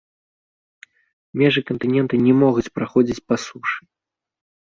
Межы кантынента не могуць праходзіць па сушы.